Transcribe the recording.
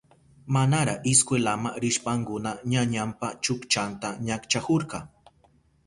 Manara iskwelama rishpankuna ñañanpa chukchanta ñakchahurka.